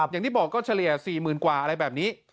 อย่างที่บอกก็เฉลี่ย๔๐๐๐กว่าอะไรแบบนี้